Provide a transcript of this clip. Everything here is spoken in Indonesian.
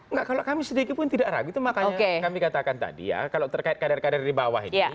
enggak kalau kami sedikit pun tidak ragu itu makanya kami katakan tadi ya kalau terkait kader kader di bawah ini